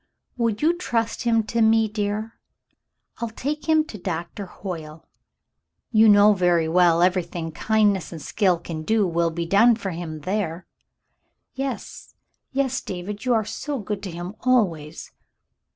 Would you trust him to me, dear ? I'll take him to Doctor Hoyle. You know very well everything kindness and skill can do will be done for him there." "Yes, yes, David. You are so good to him always!